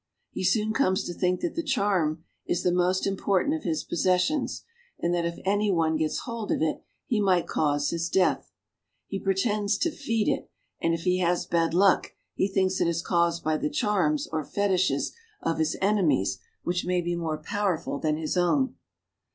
He soon comes to think that Che charm is the most important of his possessions, and that if any one gets hold of it he might cause his death. He pretends to feed it, and if he has bad luck, he thinks it is caused by the charms or fetishes of his enemies which may be more powerful than his own.